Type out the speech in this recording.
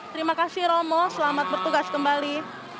terima kasih romo selamat bertugas kembali